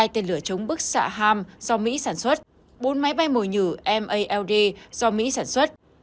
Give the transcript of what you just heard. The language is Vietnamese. hai tên lửa chống bức xạ ham do mỹ sản xuất bốn máy bay mồi nhử mald do mỹ sản xuất